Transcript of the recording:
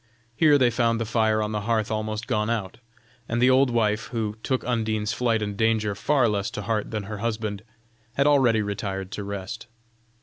Here they found the fire on the hearth almost gone out, and the old wife, who took Undine's flight and danger far less to heart than her husband, had already retired to rest.